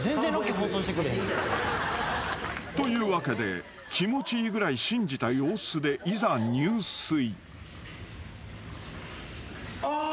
というわけで気持ちいいぐらい信じた様子でいざ入水］